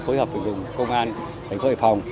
phối hợp với vùng công an thành phố hệ phòng